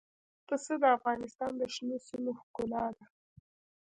پسه د افغانستان د شنو سیمو ښکلا ده.